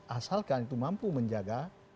asalkan itu mampu menjaga